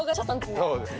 そうですね